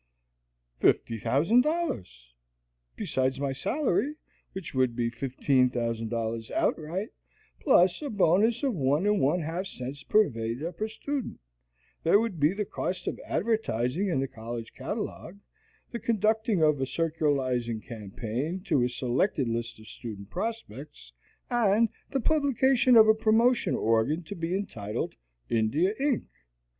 "Fifty thousand dollars. Besides my salary, which would be $15,000 outright, plus a bonus of one and one half cents per Veda per student, there would be the cost of advertising in the college catalogue, the conducting of a circularizing campaign to a selected list of student prospects and the publication of a promotion organ to be entitled 'India Ink.'